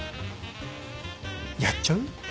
やっちゃう？